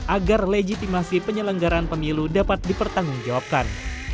agar legitimasi penyelenggaraan pemilu dapat dipertanggungjawabkan